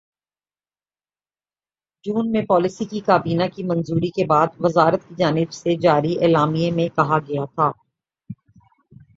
جون میں پالیسی کی کابینہ کی منظوری کے بعد وزارت کی جانب سے جاری اعلامیے میں کہا گیا تھا